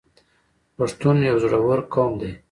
پښتون یو زړور قوم دی.